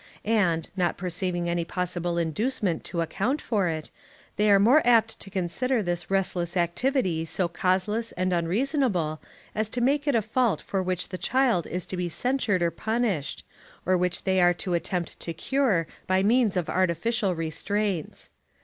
And, not perceiving any possible inducement to account for it, they are apt to consider this restless activity so causeless and unreasonable as to make it a fault for which the child is to be censured or punished, or which they are to attempt to cure by means of artificial restraints.